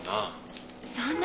そそんな！